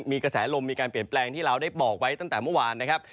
มีกระแสลมมีการเปลี่ยนแปลงที่เราได้บอกไว้ตั้งแต่เมื่อวานนะครับ